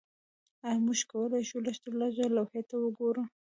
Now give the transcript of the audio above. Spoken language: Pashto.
ایا موږ کولی شو لږترلږه لوحې ته وګورو